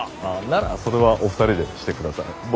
あならそれはお二人でしてください。